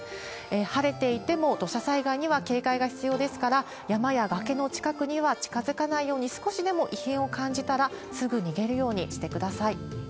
晴れていても土砂災害には警戒が必要ですから、山や崖の近くには近づかないように、少しでも異変を感じたらすぐ逃げるようにしてください。